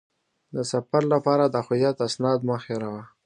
د سفر لپاره د هویت اسناد مه هېروه.